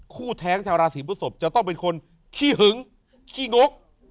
แท้งชาวราศีพฤศพจะต้องเป็นคนขี้หึงขี้งก